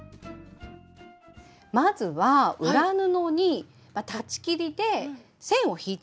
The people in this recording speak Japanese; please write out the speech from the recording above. まずは裏布に裁ち切りで線を引いちゃいます。